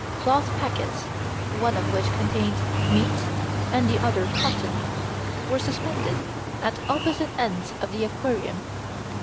Cloth packets, one of which contained meat and the other cotton, were suspended at opposite ends of the aquarium.